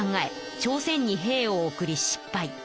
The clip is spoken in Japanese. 朝鮮に兵を送り失敗。